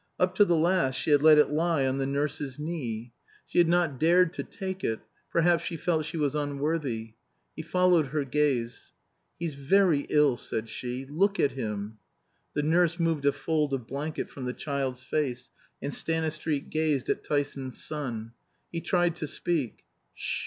Up to the last she had let it lie on the nurse's knee. She had not dared to take it; perhaps she felt she was unworthy. He followed her gaze. "He's very ill," said she. "Look at him." The nurse moved a fold of blanket from the child's face, and Stanistreet gazed at Tyson's son. He tried to speak.